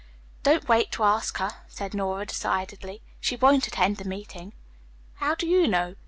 "Don't wait to ask her," said Nora decidedly. "She won't attend the meeting." "How do you know?"